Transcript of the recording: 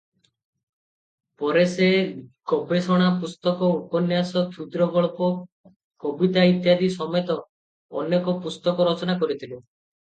ପରେ ସେ ଗବେଷଣା ପୁସ୍ତକ, ଉପନ୍ୟାସ, କ୍ଷୁଦ୍ରଗଳ୍ପ, କବିତା ଇତ୍ୟାଦି ସମେତ ଅନେକ ପୁସ୍ତକ ରଚନା କରିଥିଲେ ।